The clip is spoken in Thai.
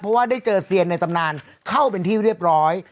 เพราะว่าได้เจอเซียนในตำนานเข้าเป็นที่เรียบร้อย